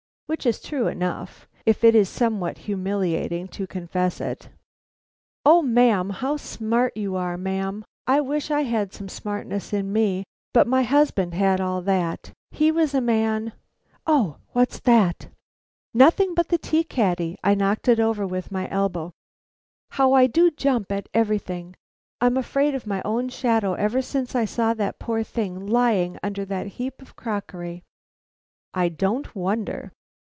Which is true enough, if it is somewhat humiliating to confess it. "O ma'am, how smart you are, ma'am! I wish I had some smartness in me. But my husband had all that. He was a man O what's that?" "Nothing but the tea caddy; I knocked it over with my elbow." "How I do jump at everything! I'm afraid of my own shadow ever since I saw that poor thing lying under that heap of crockery." "I don't wonder."